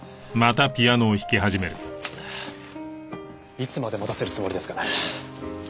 いつまで待たせるつもりですかね。